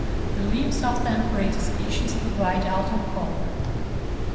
The leaves of temperate species provide autumn color.